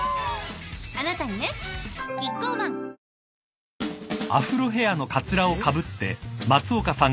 あなたにねキッコーマンんっ。